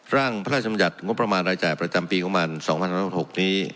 ร่างพระราชมัญญัติงบประมาณรายจ่ายประจำปีของมัน๒๑๖๖นี้